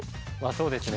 そうですね。